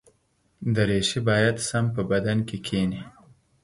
دریشي باید سم په بدن کې کېني.